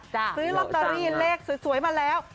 ซื้อลอตเตอรี่เลขสวยมาแล้ว